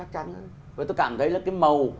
tôi cảm thấy là cái màu